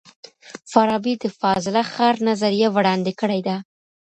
فارابي د فاضله ښار نظریه وړاندې کړې ده.